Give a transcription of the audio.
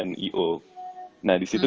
nah disitu kita ngobrol